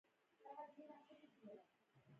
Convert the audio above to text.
خو هر مصرفي ارزښت لرونکی شی توکی نه دی.